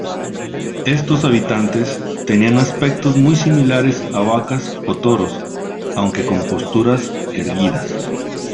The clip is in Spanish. Estos habitantes tenían aspectos muy similares a vacas o toros, aunque con posturas erguidas.